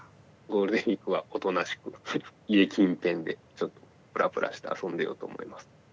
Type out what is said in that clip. ゴールデンウイークはおとなしく家近辺でちょっとプラプラして遊んでようと思います。